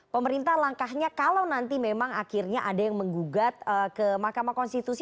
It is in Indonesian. pemerintah langkahnya kalau nanti memang akhirnya ada yang menggugat ke mahkamah konstitusi